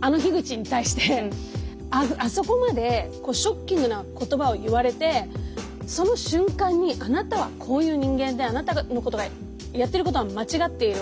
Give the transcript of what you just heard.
あの樋口に対してあそこまでショッキングな言葉を言われてその瞬間にあなたはこういう人間であなたのやってることは間違っている。